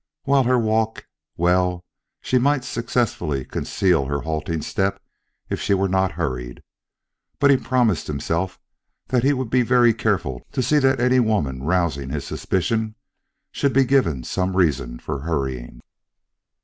While her walk well! she might successfully conceal her halting step if she were not hurried. But he promised himself that he would be very careful to see that any woman rousing his suspicion should be given some reason for hurrying.